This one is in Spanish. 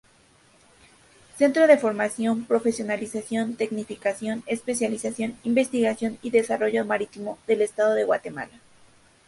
Centro de formación, profesionalización, tecnificación, especialización, investigación y desarrollo marítimo, del Estado de Guatemala.